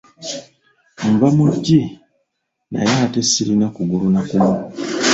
Nva mu ggi naye ate sirina kugulu na kumu.